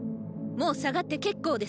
もう退がって結構ですよ